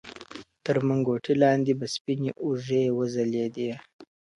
تر منګوټي لاندي به سپیني اوږې وځلېدې.